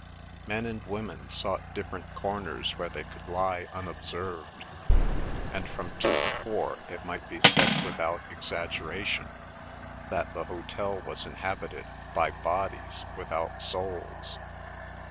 Men and women sought different corners where they could lie unobserved, and from two to four it might be said without exaggeration that the hotel was inhabited by bodies without souls.